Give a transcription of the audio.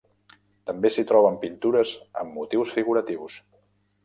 També s'hi troben pintures amb motius figuratius.